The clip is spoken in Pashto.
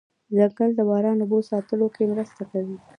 ځنګل د باران اوبو ساتلو کې مرسته کوي